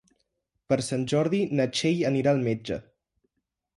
Per Sant Jordi na Txell anirà al metge.